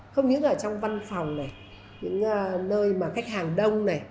không những ở trong văn phòng này những nơi mà khách hàng đông này